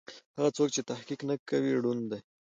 هغه څوک چې تحقيق نه کوي ړوند دی.